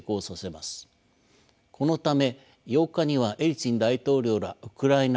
このため８日にはエリツィン大統領らウクライナ